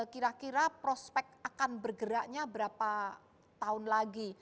kira kira prospek akan bergeraknya berapa tahun lagi